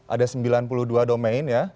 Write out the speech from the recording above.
ada sembilan puluh dua domain ya